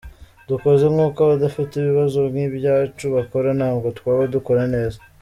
Dukoze nk’uko abadafite ibibazo nk’ibyacu bakora, ntabwo twaba dukora neza”.